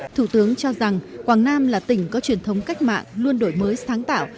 thủ tướng cho rằng quảng nam là tỉnh có truyền thống cách mạng luôn đổi mới sáng tạo